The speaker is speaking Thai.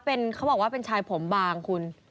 เขาบอกว่าเป็นชายผมบางคุณ